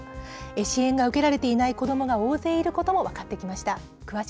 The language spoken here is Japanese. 支援が受けられていない子どもが大勢いることも分かってきました。